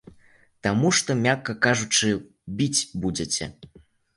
Таму што, мякка кажучы, біць будзеце.